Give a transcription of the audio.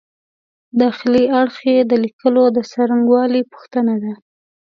داخلي اړخ یې د لیکلو د څرنګوالي پوښتنه ده.